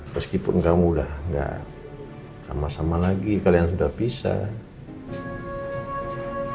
meskipun kamu udah gak sama sama lagi kalian sudah pisah